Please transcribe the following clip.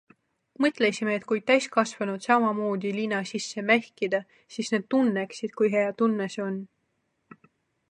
Mõtlesime, et kui täiskasvanud samamoodi lina sisse mähkida, siis nad tunneksid, kui hea tunne see on.